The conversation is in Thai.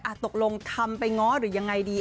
ตกลงทำไปง้อหรือยังไงดี